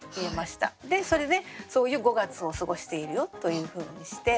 でそれでそういう５月を過ごしているよというふうにして。